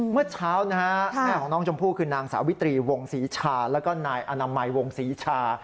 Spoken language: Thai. เมื่อเช้านะฮะแม่ของน้องชมพู่คือนางสาวิตรีวงศรีชาแล้วก็นายอนามัยวงศรีชา